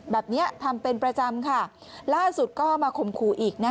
แบบนี้ทำเป็นประจำค่ะล่าสุดก็มาข่มขู่อีกนะคะ